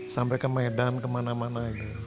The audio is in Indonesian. sampai ke medan kemana mana